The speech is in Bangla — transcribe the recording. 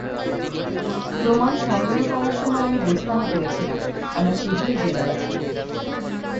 প্রমাণ সংগ্রহ করার সময় আমি দস্তানা পরেছিলাম আমরা শীঘ্রই জেনে যাবো।